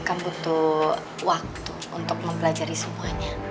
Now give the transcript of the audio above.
kan butuh waktu untuk mempelajari semuanya